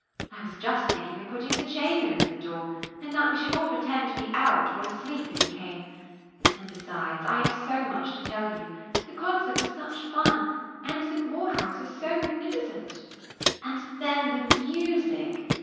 I was just thinking of putting the chain over the door, and that we should all pretend to be out or asleep if he came. And, besides, we have so much to tell you. The concert was such fun, and St. Maur House is so magnificent." "And then the music!"